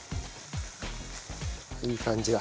いい感じだ。